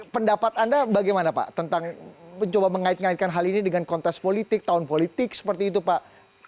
pendapat anda bagaimana pak tentang mencoba mengait ngaitkan hal ini dengan kontes politik tahun politik seperti itu pak